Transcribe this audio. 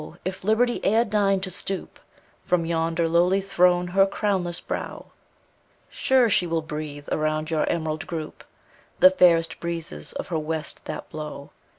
if Liberty e'er deigned to stoop _5 From yonder lowly throne her crownless brow, Sure she will breathe around your emerald group The fairest breezes of her West that blow.